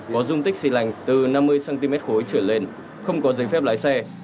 có dung tích xy lành từ năm mươi cm khối trở lên không có giấy phép lái xe